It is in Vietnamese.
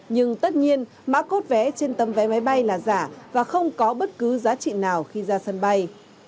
nhưng tất nhiên mã cốt vé trên tấm vé máy bay là giả và không có bất cứ giá trị nào khi ra sân bay